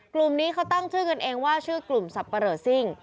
กลุ่มนี้เขาตั้งชื่อกันเองว่าชื่อกลุ่มสับปะเลอซิ่ง